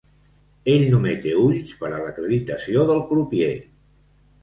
Ell només té ulls per a l'acreditació del crupier.